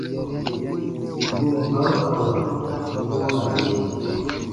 Goon barukawa goo ra di.